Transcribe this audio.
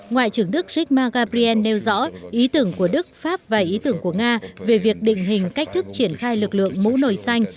ngoại trưởng đức jma gabriel nêu rõ ý tưởng của đức pháp và ý tưởng của nga về việc định hình cách thức triển khai lực lượng mũ nồi xanh